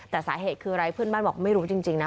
แต่สาเหตุคืออะไรเพื่อนบ้านบอกไม่รู้จริงนะ